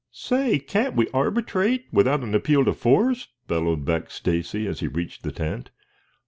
"Say, can't we arbitrate, without an appeal to force?" bellowed back Stacy as he reached the tent.